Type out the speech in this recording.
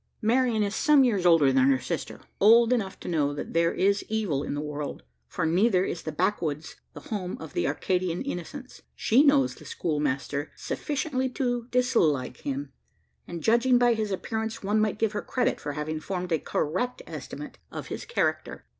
Marian is some years older than her sister old enough to know that there is evil in the world: for neither is the "backwoods" the home of an Arcadian innocence. She knows the schoolmaster sufficiently to dislike him; and, judging by his appearance, one might give her credit for having formed a correct estimate of his character.